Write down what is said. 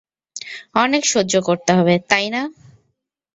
অনেক সহ্য করতে হবে, তাই না?